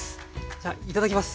じゃあいただきます。